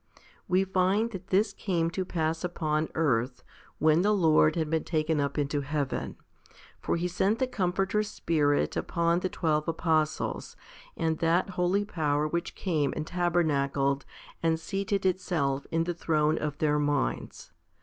We find that this came to pass upon earth, when the Lord had been taken up into heaven. For He sent the Comforter Spirit upon the twelve apostles, and that holy power which came and tabernacled and seated itself in the throne of their minds.